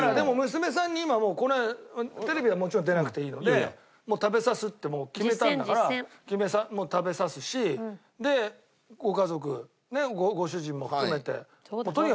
娘さんに今これテレビはもちろん出なくていいのでもう食べさすって決めたんだから食べさすしでご家族ご主人も含めて。